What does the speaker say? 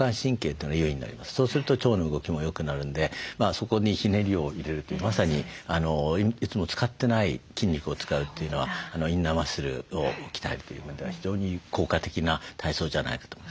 そこにひねりを入れるというまさにいつも使ってない筋肉を使うというのはインナーマッスルを鍛えるという面では非常に効果的な体操じゃないかと思います。